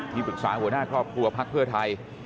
ปรึกษาหัวหน้าครอบครัวพักเพื่อไทย